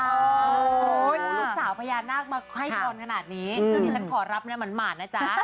โอ้ยสาวพญานาคมาให้ก่อนขนาดนี้แล้วที่ฉันขอรับเนี่ยหม่านนะจ๊ะ